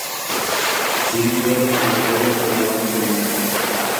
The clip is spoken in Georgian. ძირითადად ამზადებენ ფენოვანი ცომისგან.